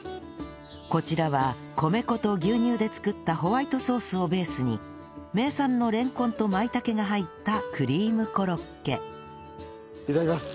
こちらは米粉と牛乳で作ったホワイトソースをベースに名産のレンコンとマイタケが入ったクリームコロッケいただきます。